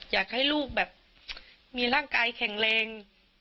อยากให้ลูกแบบมีร่างกายแข็งแรง